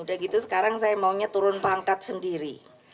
udah gitu sekarang saya maunya turun pangkat sendiri